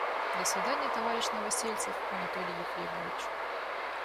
До свиданья, товарищ Новосельцев, Анатолий Ефремович.